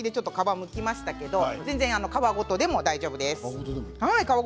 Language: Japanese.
皮をむきましたが皮ごとでも大丈夫です。